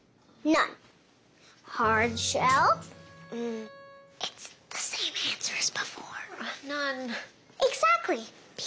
ない。